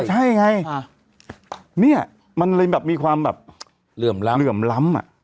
ได้ก็ใช่ไงเลยมีความเหลื่อมล้ำ